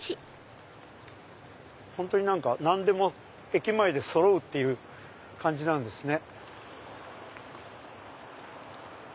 本当に何でも駅前でそろうって感じなんですね。